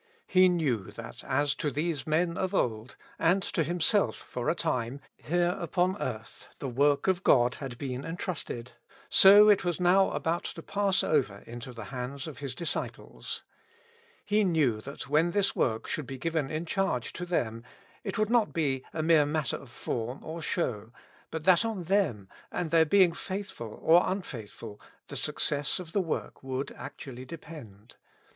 He knew that as to these men of old, and to Himself for a time, here upon earth, the work of God had been entrusted, so it was now about to pass over into the hands of His disciples. He knew 72 With Christ in the School of Prayer. that when this work should be given in charge to them, it would not be a mere matter of form or show, but that on them, and their being faithful or unfaith ful, the success of the work would actually depend.